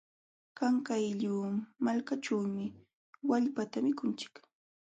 Qanqayllu malkaćhuumi wallpata mikunchik.